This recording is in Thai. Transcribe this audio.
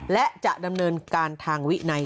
และจะดำเนินการทางวินัย